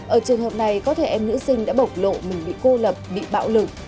ở trường hợp này có thể em nữ sinh đã bộc lộ mình bị cô lập bị bạo lực